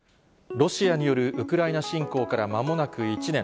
ロシアによるウクライナ侵攻からまもなく１年。